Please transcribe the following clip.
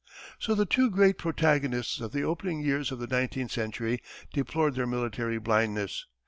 _)] So the two great protagonists of the opening years of the nineteenth century deplored their military blindness.